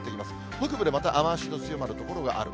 北部でまた雨足の強まる所がある。